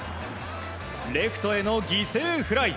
レフトへの犠牲フライ。